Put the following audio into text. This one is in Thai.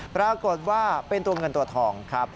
ปรากฏว่าเป็นตัวเงินตัวทองครับ